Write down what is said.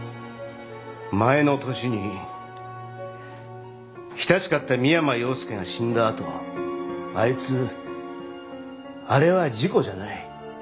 前の年に親しかった三山陽介が死んだ後あいつ「あれは事故じゃない。